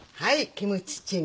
キムチチゲ。